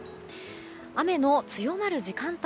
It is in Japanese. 雨の強まる時間帯